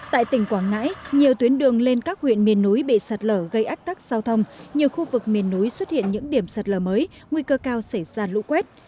tại tỉnh quảng ngãi nhiều tuyến đường lên các huyện miền núi bị sạt lở gây ách tắc giao thông nhiều khu vực miền núi xuất hiện những điểm sạt lở mới nguy cơ cao xảy ra lũ quét